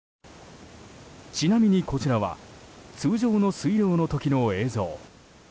ちなみに、こちらは通常の水量の時の映像。